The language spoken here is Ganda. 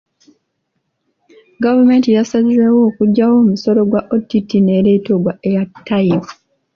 Gavumenti yasazeewo okuggyawo omusolo gwa OTT n’ereeta ogwa Airtime.